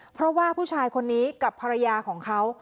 เพราะว่าผู้ชายคนนี้กับภรรยาของเขา